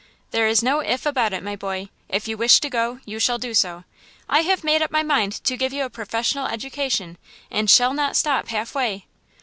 "There is no 'if' about it, my boy; if you wish to go, you shall do so. I have made up my mind to give you a professional education, and shall not stop half way."